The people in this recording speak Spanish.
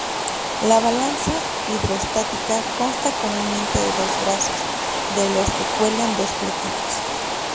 La balanza hidrostática consta comúnmente de dos brazos, de los que cuelgan dos platillos.